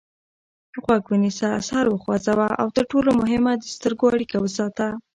غوږ ونیسه سر وخوځوه او تر ټولو مهمه د سترګو اړیکه وساته.